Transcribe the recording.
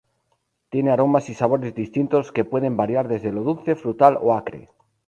Tiene aromas y sabores distintos que pueden variar desde lo dulce, frutal o acre.